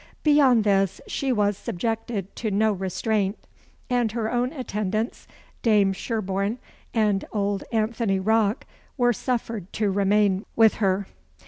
Beyond this, she was subjected to no restraint; and her own attendants, Dame Sherborne and old Anthony Rocke, were suffered to remain with her.